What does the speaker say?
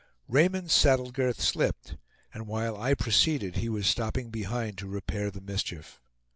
Raymond's saddle girth slipped; and while I proceeded he was stopping behind to repair the mischief.